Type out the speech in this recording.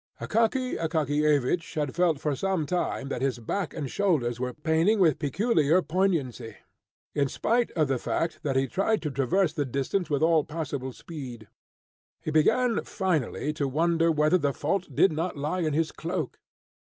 Akaky Akakiyevich had felt for some time that his back and shoulders were paining with peculiar poignancy, in spite of the fact that he tried to traverse the distance with all possible speed. He began finally to wonder whether the fault did not lie in his cloak.